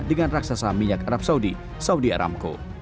dengan raksasa minyak arab saudi saudi aramco